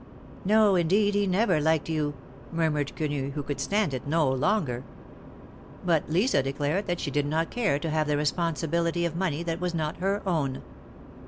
"No, indeed, he never liked you !" murmured Quenu, who could stand it no longer. But Lisa declared that she did not care to have the responsibility of money that was not her own.